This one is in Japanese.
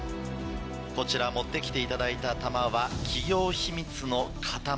こちら持ってきていただいた玉は企業秘密のかたまり。